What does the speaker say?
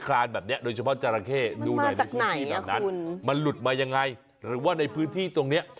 มันมาจากไหนอ่ะคุณมันหลุดมายังไงหรือว่าในพื้นที่ตรงเนี้ย